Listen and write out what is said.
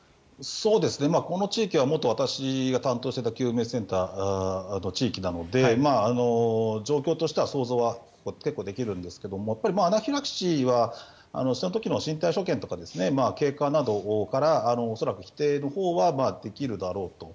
この地域は私が担当していた救命センターの地域なので状況としては想像は結構できるんですがアナフィラキシーはその時の身体所見とか経過などから、恐らく否定のほうはできるだろうと。